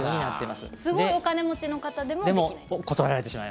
すごいお金持ちの方でもできない？